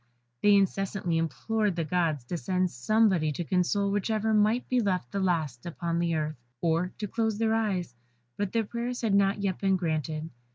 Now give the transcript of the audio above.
They incessantly implored the gods to send somebody to console whichever might be left the last upon earth, or to close their eyes, but their prayers had not yet been granted.